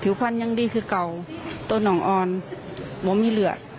ผิวควันร่างใดคือเก่าต้นยนต์อ่อนมันไม่มีเหลือ